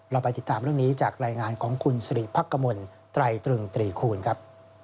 เราไปติดตามเรื่องนี้จากรายงานของคุณสิริพักกมลไตรตรึงตรีคูณครับ